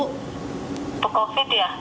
untuk covid sembilan belas ya